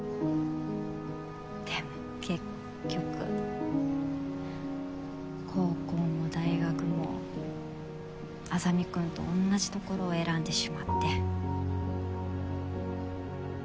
でも結局高校も大学も莇君とおんなじところを選んでしまって。